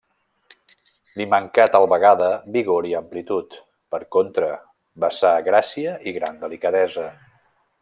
Li mancà tal vegada vigor i amplitud; per contra, vessà gràcia i gran delicadesa.